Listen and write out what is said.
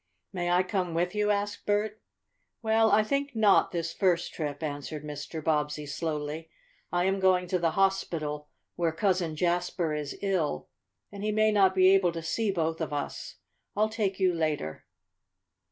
"May I come with you?" asked Bert. "Well, I think not this first trip," answered Mr. Bobbsey slowly. "I am going to the hospital where Cousin Jasper is ill, and he may not be able to see both of us. I'll take you later."